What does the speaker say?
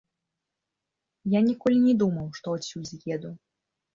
Я ніколі не думаў, што я адсюль з'еду.